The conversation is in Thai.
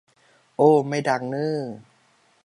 โอ้ ไม่ดังเน้อ